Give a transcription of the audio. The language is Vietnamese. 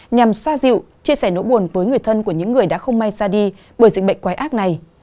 nhằm xoa dịu chia sẻ nỗi buồn với người thân của những người đã không may xa đi bởi dịch bệnh quái ác này